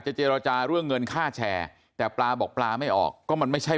เจรจาเรื่องเงินค่าแชร์แต่ปลาบอกปลาไม่ออกก็มันไม่ใช่